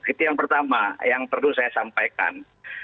itu yang pertama yang perlu saya sampaikan